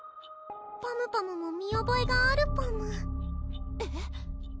パムパムも見おぼえがあるパムえっ？